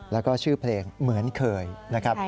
แล้วก็ชื่อเพลงเหมือนเคยนะครับ